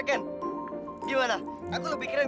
ken aku ken